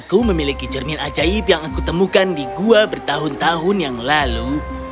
aku memiliki cermin ajaib yang aku temukan di gua bertahun tahun yang lalu